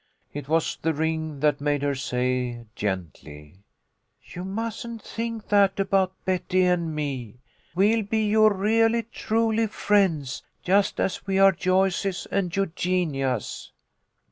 It was the ring that made her say, gently, " You mustn't think that about Betty and me. We'll 9O THE LITTLE COLONEL'S HOLIDAYS. be your really truly friends just as we are Joyce's and Eugenia's."